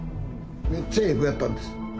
めっちゃええ子やったんです。